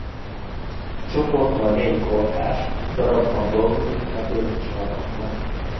A csoporttal négy kortárs darabban dolgozik a Petőfi Csarnokban.